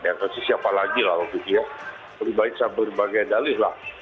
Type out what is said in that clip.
yang kasih siapa lagi lah waktu itu ya